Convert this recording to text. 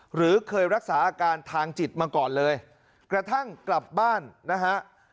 หรือเคยรักษาอาการทางจิตมาก่อนเลยกระทั่งกลับบ้านนะฮะ